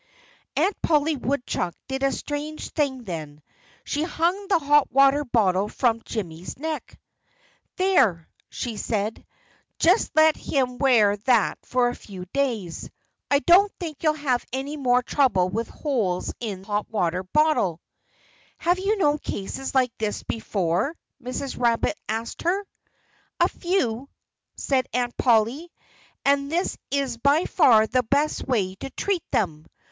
Aunt Polly Woodchuck did a strange thing then. She hung the hot water bottle from Jimmy's neck. "There!" she said. "Just let him wear that for a few days! I don't think you'll have any more trouble with holes in hot water bottles." "Have you known cases like this before?" Mrs. Rabbit asked her. "A few!" said Aunt Polly. "And this is by far the best way to treat them.